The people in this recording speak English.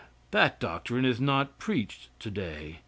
That doctrine is not preached to day.